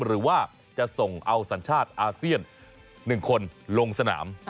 หรือว่าจะส่งเอาสัญชาติอาเซียน๑คนลงสนาม